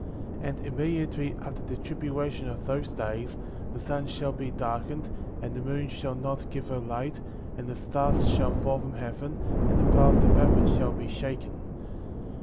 33. And immediately after the tribulation of those days, the sun shall be darkened, and the moon shall not give her light, and the stars shall fall from heaven, and the powers of heaven shall be shaken.